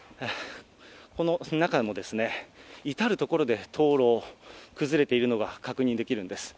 この中も、至る所で灯籠、崩れているのが確認できるんです。